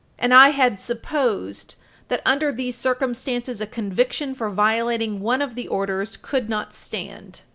And I had supposed that, under these circumstances, a conviction for violating one of the orders could not stand.